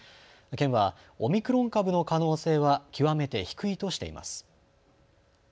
県はオミクロン株の可能性は極めて低いとしています。